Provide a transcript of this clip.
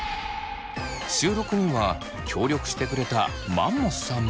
収録には協力してくれたマンモスさんも。